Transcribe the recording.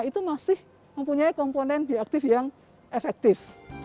itu masih mempunyai komponen bioaktif yang efektif